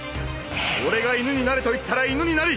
俺が犬になれと言ったら犬になり！